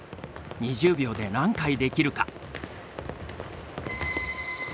２０秒で何回できるか？